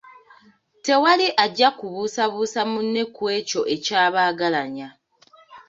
Tewali ajja kubuusabuusa munne ku ekyo ekyabagalanya.